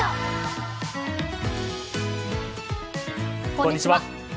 こんにちは。